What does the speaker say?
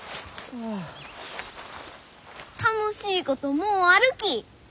楽しいこともうあるき。